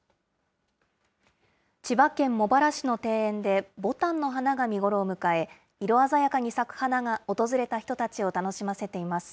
千葉県茂原市の庭園で、ぼたんの花が見頃を迎え、色鮮やかに咲く花が訪れた人たちを楽しませています。